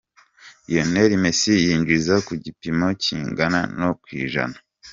Lionel Messi :yinjiza ku gipimo kingana na ku ijana.